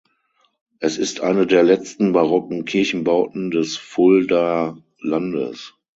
Es ist eine der letzten barocken Kirchenbauten des Fuldaer Landes.